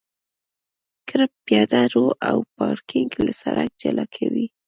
کرب پیاده رو او پارکینګ له سرک جلا کوي